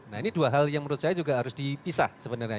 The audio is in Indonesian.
nah ini dua hal yang menurut saya juga harus dipisah sebenarnya